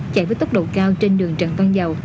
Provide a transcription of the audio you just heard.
chạy với tốc độ cao trên đường trần văn dầu